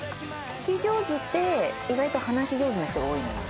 聞き上手って意外と話し上手な人が多いのよ。